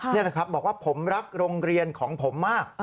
นี่แหละครับบอกว่าผมรักโรงเรียนของผมมาก